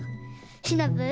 シナプー